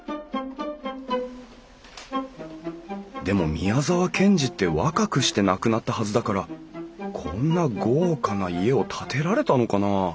宮沢賢治って若くして亡くなったはずだからこんな豪華な家を建てられたのかな？